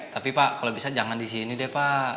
tapi pak kalau bisa jangan disini deh pak